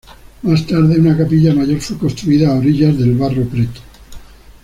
Más tarde, una capilla mayor fue construida a orillas del Barro Preto.